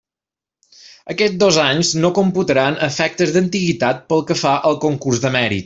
Aquests dos anys no computaran a efectes d'antiguitat pel que fa al concurs de mèrits.